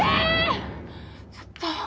ちょっと。